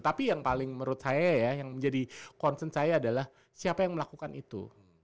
tapi yang paling menurut saya ya yang menjadi concern saya adalah siapa yang melakukan itu